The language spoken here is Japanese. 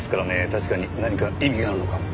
確かに何か意味があるのかも。